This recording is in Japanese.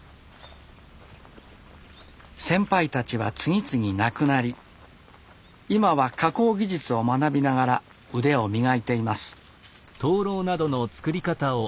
先輩たちは次々亡くなり今は加工技術を学びながら腕を磨いています。